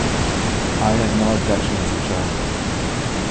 I have no objections, I’m sure.